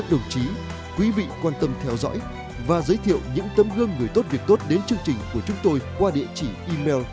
đồng chí quý vị quan tâm theo dõi và giới thiệu những tấm gương người tốt việc tốt đến chương trình của chúng tôi qua địa chỉ email